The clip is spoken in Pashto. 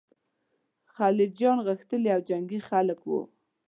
خلجیان غښتلي او جنګي خلک ول.